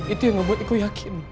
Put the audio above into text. itu yang membuat eko yakin